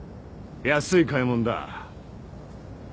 安い買い物だ。